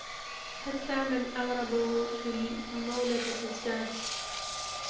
حتام أرغب في مودة زاهد